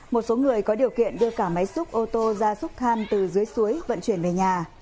một số người có điều kiện đưa cả máy xúc ô tô ra súc than từ dưới suối vận chuyển về nhà